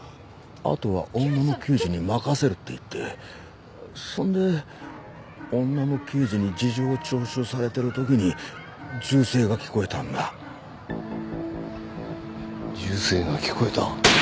あとは女の刑事に任せるって言ってそんで女の刑事に事情聴取されてる時に銃声が聞こえたんだ銃声が聞こえた？